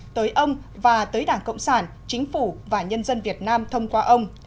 tới ông và tới đảng cộng sản chính phủ và nhân dân việt nam thông qua ông